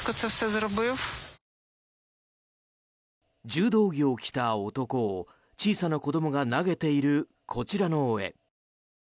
柔道着を着た男を小さな子どもが投げているこちらの絵。